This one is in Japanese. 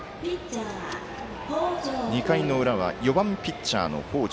２回の裏は４番ピッチャーの北條。